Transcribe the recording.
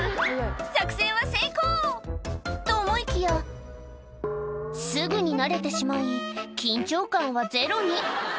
作戦は成功！と思いきや、すぐに慣れてしまい、緊張感はゼロに。